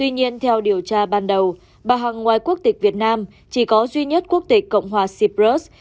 nhân theo điều tra ban đầu bà hằng ngoài quốc tịch việt nam chỉ có duy nhất quốc tịch cộng hòa cyprus